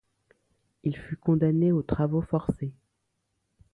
Il fut condamné aux travaux forcés.